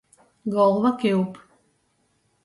Golva kiup.